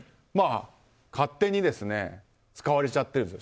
勝手に使われちゃってるんです。